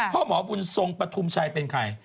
พ่อหมอบุญทรงปฐุมชัยเป็นใคร